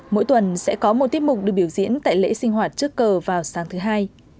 mỗi tuần sẽ có một tiết mục được biểu diễn tại lễ sinh hoạt trước cờ vào sáng thứ hai